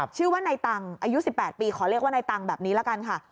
ชื่อว่าในตังค์อายุ๑๘ปีขอเรียกว่าในตังค์แบบนี้ละกันค่ะ